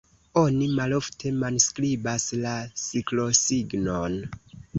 Oni malofte manskribas la siklosignon.